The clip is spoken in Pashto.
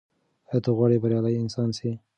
ایا ته غواړې بریالی انسان سې؟